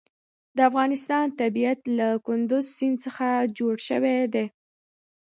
د افغانستان طبیعت له کندز سیند څخه جوړ شوی دی.